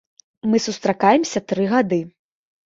Мы сустракаемся тры гады.